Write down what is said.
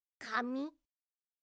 かみ？